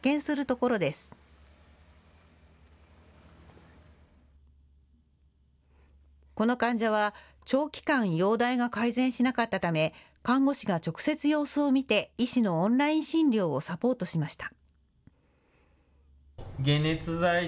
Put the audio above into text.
この患者は長期間容体が改善しなかったため看護師が直接様子を見て医師のオンライン診療をサポートしました。